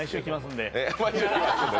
毎週来ますんで。